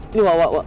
ini wak wak wak